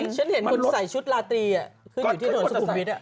ฉันเห็นคุณใส่ชุดลาตรีขึ้นอยู่ที่ถนนสุขุมวิทย์